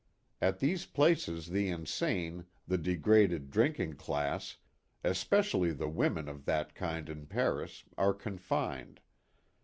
At these places the insane, the degraded drinking class, especially the women of that kind in Paris are confined.